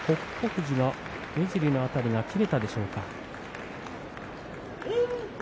富士の目尻辺りが切れたでしょうか。